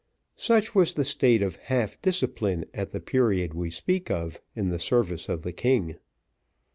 Such was the state of half discipline at the period we speak of in the service of the king.